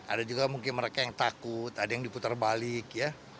ada juga mungkin mereka yang takut ada yang diputar balik ya